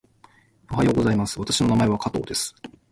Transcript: おはようございます。私の名前は加藤です。